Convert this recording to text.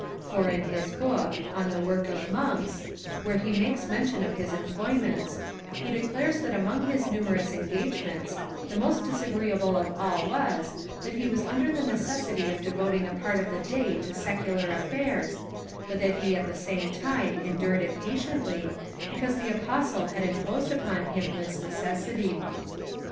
For in his book —" On the Work of Monks," where he makes mention of his employments, he declares that among his numerous engagements, the most disagreeable of all was, that he was under the necessity of devoting a part of the day to secular aifairs, but that he at the same time endured it patiently, because the Apostle^ had imposed upon him this necessity.